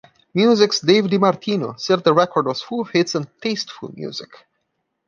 Music's Dave DiMartino said the record was full of hits and "tasteful" music.